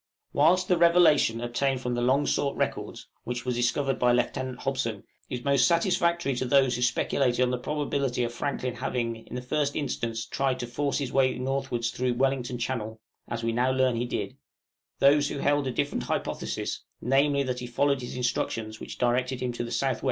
Whilst the revelation obtained from the long sought records, which were discovered by Lieutenant Hobson, is most satisfactory to those who speculated on the probability of Franklin having, in the first instance, tried to force his way northwards through Wellington Channel (as we now learn he did), those who held a different hypothesis, namely, that he followed his instructions, which directed him to the S.W.